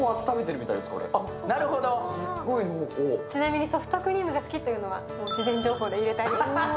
ちなみにソフトクリームが好きというのは、事前情報で入れています。